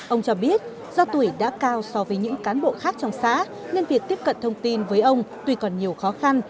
ông cho biết do tuổi đã cao so với những cán bộ khác trong xã nên việc tiếp cận thông tin với ông tuy còn nhiều khó khăn